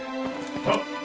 はっ！